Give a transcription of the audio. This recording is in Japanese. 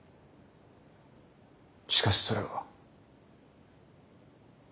しかしそれは。